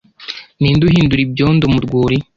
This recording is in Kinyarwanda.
ninde uhindura ibyondo mu rwuri